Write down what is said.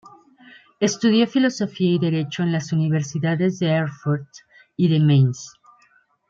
Estudió filosofía y derecho en las universidades de Erfurt y de Mainz.